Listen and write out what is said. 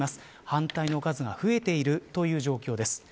反対の数が増えている状況です。